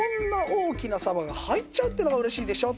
大きなサバが入っちゃうっていうのが嬉しいでしょ？